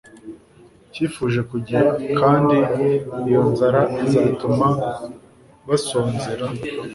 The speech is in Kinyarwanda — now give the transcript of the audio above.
cyifuje kugira, kandi iyo nzara izatuma basonzera